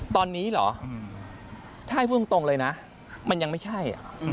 ตอนนี้เหรอถ้าให้พูดตรงเลยนะมันยังไม่ใช่